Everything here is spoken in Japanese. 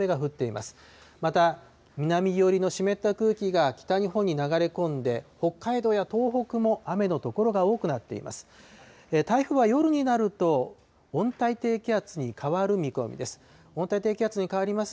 また、南寄りの湿った空気が北日本に流れ込んで、北海道や東北も雨の所が多くなっています。